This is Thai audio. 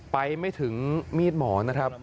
ไปไม่ถึงมีดหมอนะครับ